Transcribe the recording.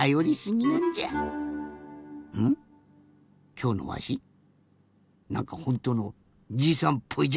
きょうのわしなんかほんとのじいさんっぽいじゃろ。